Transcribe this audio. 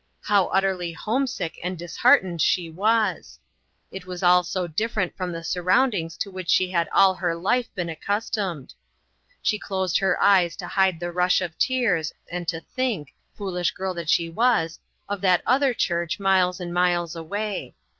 How utterly homesick and disheartened she was!" It was all so different from the surround ings to which she had all her life been accustomed ! She closed her eyes to hide the rush of tears, and to think, foolish girl that she was, of that other church miles and miles away.